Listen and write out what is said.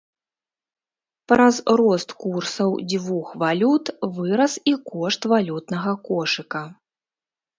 Праз рост курсаў дзвюх валют вырас і кошт валютнага кошыка.